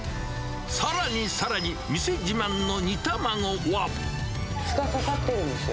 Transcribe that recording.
さらにさらに、２日かかってるんですよ。